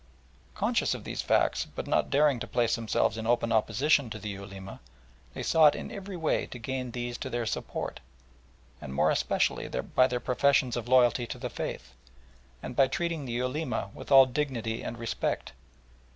Conscious of these facts, but not daring to place themselves in open opposition to the Ulema, they sought in every way to gain these to their support, and more especially by their professions of loyalty to the faith, and by treating the Ulema with all dignity and respect.